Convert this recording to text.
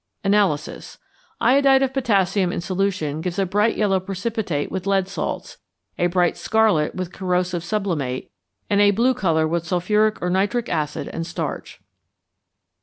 Analysis. Iodide of potassium in solution gives a bright yellow precipitate with lead salts; a bright scarlet with corrosive sublimate; and a blue colour with sulphuric or nitric acid and starch.